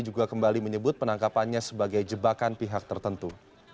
juga kembali menyebut penangkapannya sebagai jebakan pihak tertentu